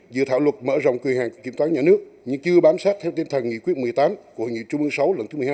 giữa thảo luật mở rộng quyền hàng của kiểm toán nhà nước nhưng chưa bám sát theo tên thần nghị quyết một mươi tám của hội nghị trung ương sáu lần thứ một mươi hai